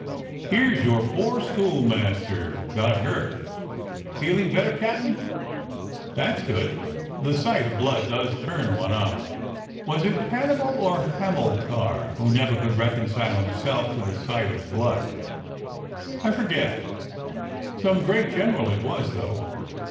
Here's your poor schoolmaster got hurt. Feeling better, Captain ? That's good. The sight of blood does turn one up. Was it Hannibal or Hamilcar who never could reconcile him self to the sight of blood .^^ I forget. Some great general it was, though.